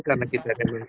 karena kita memang